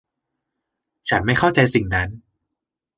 ฉันไม่เข้าใจสิ่งนั้น